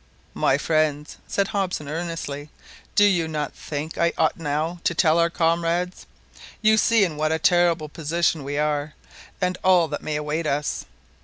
"My friends," said Hobson earnestly, "do you not think I ought now to tell our comrades. You see in what a terrible position we are and all that may await us!